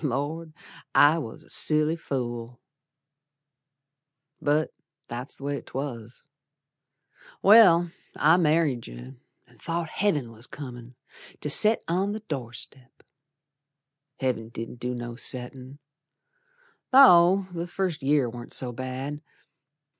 Lord! I was a silly fool. But that's the way 'twas. Well, I married yer An' thought Heav'n was comin' To set on the door step. Heav'n didn't do no settin', Though the first year warn't so bad.